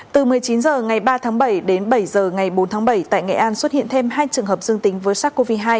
từ một mươi chín h ngày ba tháng bảy đến bảy h ngày bốn tháng bảy tại nghệ an xuất hiện thêm hai trường hợp dương tính với sars cov hai